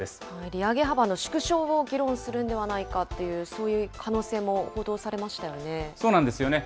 利上げ幅の縮小を議論するんではないかという、そういう可能そうなんですよね。